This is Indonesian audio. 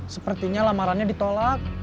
sepertinya lamarannya ditolak